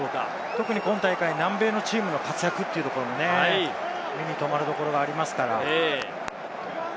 特に今大会、南米のチームの活躍というのがね、目に留まるところがありますから。